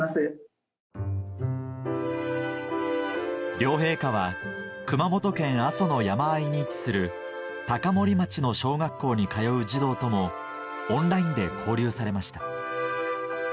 両陛下は熊本県阿蘇の山あいに位置する高森町の小学校に通う児童ともオンラインで交流されました